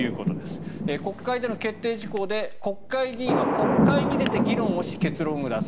国会での決定事項で国会議員は国会に出て議論をし結論を出す。